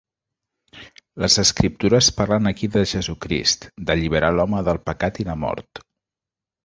Les escriptures parlen aquí de Jesucrist, d'alliberar l'home del pecat i la mort.